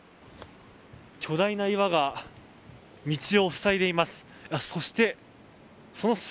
巨大な岩が道を塞いでいます。